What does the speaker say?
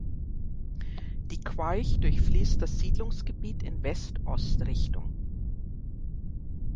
Die Queich durchfließt das Siedlungsgebiet in West-Ost-Richtung.